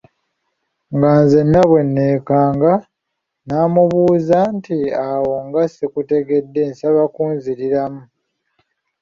Nga nzenna bwe neekanga, namubuuza nti awo nga sikutegedde, nsaba kunziriramu.